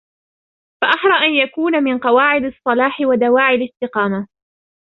فَأَحْرَى أَنْ يَكُونَ مِنْ قَوَاعِدِ الصَّلَاحِ وَدَوَاعِي الِاسْتِقَامَةِ